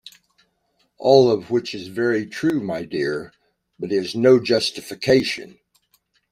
All of which is very true, my dear, but is no justification.